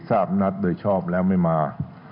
ทราบนัดโดยชอบแล้วไม่มา